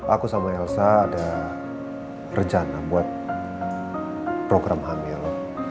aku sama elsa ada rencana buat program hamil